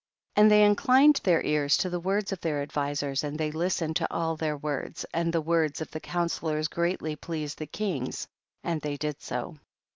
22. And they inclined their ears to the words of their advisers, and they listened to all their words, and the words of the counsellors greatly pleased the kings, and they did so.